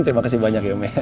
terima kasih banyak ya om ya